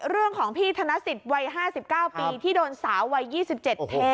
เรื่องของพี่ธนสิตวัยห้าสิบเก้าปีที่โดนสาววัยยี่สิบเจ็ดเท